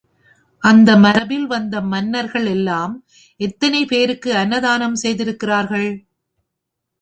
அந்த மரபில் வந்த மன்னர்கள் எல்லாம் எத்தனை பேருக்கு அன்னதானம் செய்திருக்கிறார்கள்!